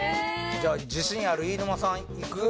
じゃあ自信ある飯沼さんいく？